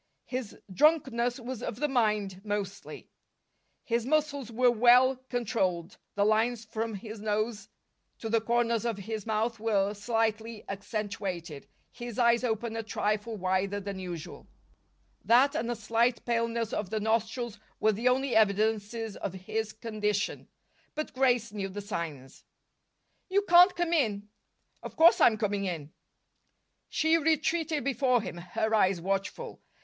His drunkenness was of the mind, mostly. His muscles were well controlled. The lines from his nose to the corners of his mouth were slightly accentuated, his eyes open a trifle wider than usual. That and a slight paleness of the nostrils were the only evidences of his condition. But Grace knew the signs. "You can't come in." "Of course I'm coming in." She retreated before him, her eyes watchful.